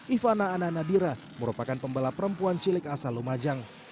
ivana ananadira merupakan pembalap perempuan cilik asal lumajang